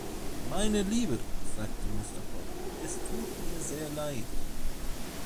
"Meine Liebe", sagte Mr. Pott, "es tut mir sehr leid".